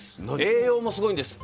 栄養もすごいんです。